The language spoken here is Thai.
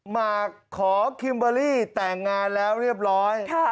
หมากขอคิมเบอร์รี่แต่งงานแล้วเรียบร้อย